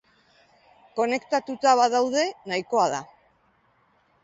Konektatuta badaude nahikoa da.